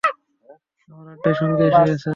আমার আড্ডার সঙ্গী এসে গেছে!